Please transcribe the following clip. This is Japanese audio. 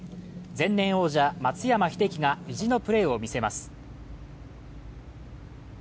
前年王者・松山英樹が意地のプレーを見せます。